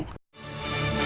nhất là lớp trẻ